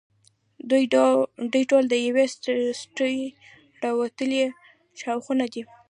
دوی ټول د یوې سټې راوتلي ښاخونه دي.